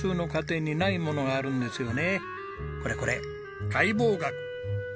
これこれ解剖学。